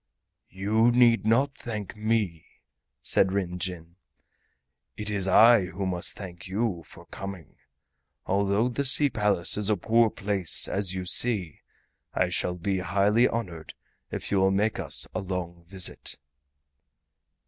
"You need not thank me," said Ryn Jin. "It is I who must thank you for coming. Although the Sea Palace is a poor place, as you see, I shall be highly honored if you will make us a long visit."